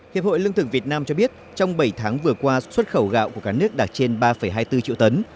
hiệp hội lương thực việt nam cho biết trong bảy tháng vừa qua xuất khẩu gạo của cả nước đạt trên ba hai mươi bốn triệu tấn